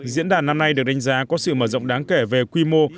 diễn đàn năm nay được đánh giá có sự mở rộng đáng kể về quy mô